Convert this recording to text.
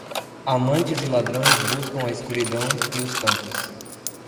Amantes e ladrões buscam a escuridão e os cantos.